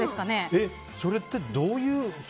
それってどういう。